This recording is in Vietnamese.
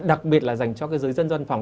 đặc biệt là dành cho giới dân doan phòng